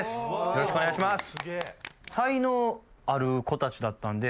よろしくお願いします。